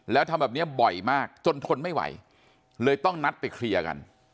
แล้วทำแบบนี้บ่อยมากจนทนไม่ไหวเลยต้องนัดไปเคลียร์กัน